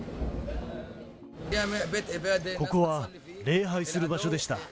ここは礼拝する場所でした。